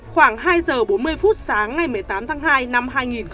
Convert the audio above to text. khoảng hai giờ bốn mươi phút sáng ngày một mươi tám tháng hai năm hai nghìn hai mươi